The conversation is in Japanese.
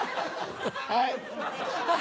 はい。